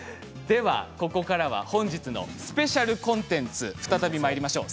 ここからは本日のスペシャルコンテンツ、再びまいりましょう。